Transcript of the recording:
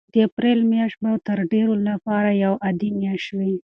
د اپریل میاشت به د ډېرو لپاره یوه عادي میاشت وي.